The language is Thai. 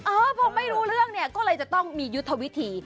เออพอไม่รู้เรื่องเนี่ยก็เลยจะต้องมียุทธวิธี